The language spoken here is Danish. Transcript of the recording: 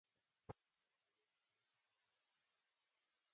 Der er både laktose og kalk i mælk.